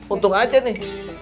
untung aja nih